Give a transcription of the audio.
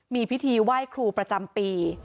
มีพิธีไหว้ครูประจำปี